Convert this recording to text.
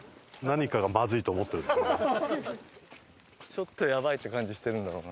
ちょっとやばいって感じしてるんだろうな。